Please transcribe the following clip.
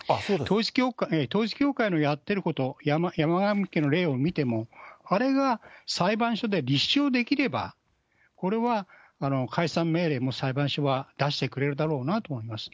統一教会のやってること、山上家の例を見ても、あれが裁判所で立証できれば、これは解散命令も裁判所は出してくれるだろうなと思います。